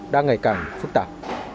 đang ngày càng phức tạp